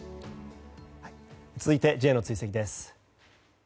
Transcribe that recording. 続いてＪの追跡です。